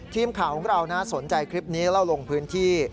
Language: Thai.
ทีมข่าวของเราสนใจคลิปนี้แล้วเราลงพื้นที่